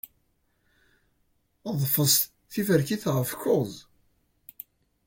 Ḍfes tiferkit ɣef kuẓ.